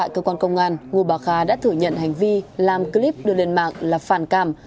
cơ quan công an đã thử nhận hành vi làm clip đưa lên mạng là phản cảm